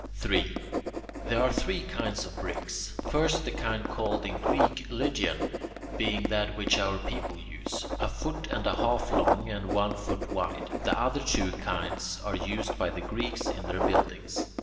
3. There are three kinds of bricks. First, the kind called in Greek Lydian, being that which our people use, a foot and a half long and one foot wide. The other two kinds are used by the Greeks in their buildings.